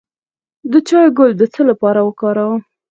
د چای ګل د څه لپاره وکاروم؟